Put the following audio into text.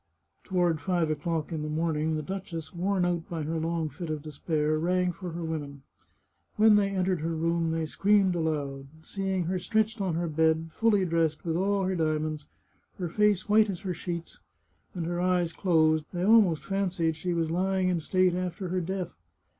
Toward five o'clock in the morning the duchess, worn out by her long fit of despair, rang for her women. When they entered her room they screamed aloud. Seeing her stretched on her bed, fully dressed, with all her diamonds, her face white as her sheets, and her eyes closed, they almost fancied she was lying in state after her death.